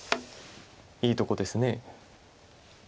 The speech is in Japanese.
いいとこです。